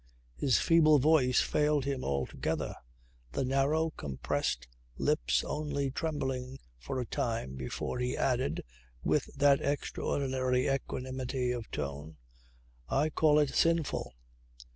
His feeble voice failed him altogether, the narrow compressed lips only trembling for a time before he added with that extraordinary equanimity of tone, "I call it sinful."